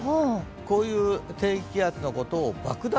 こういう低気圧のことを爆弾